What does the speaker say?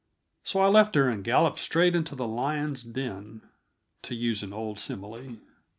So I left her and galloped straight into the lion's den to use an old simile.